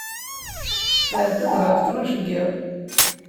Tɛedda-d ɣef ttnac n yiḍ